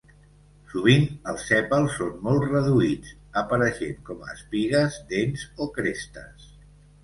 Sovint els sèpals són molt reduïts, apareixent com a espigues, dents o crestes.